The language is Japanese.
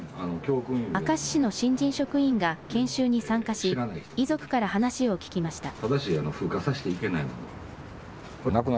明石市の新人職員が研修に参加し遺族から話を聞きました。